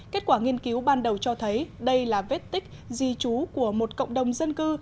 kết quả nghiên cứu ban đầu cho thấy đây là vết tích di trú của một cộng đồng dân cư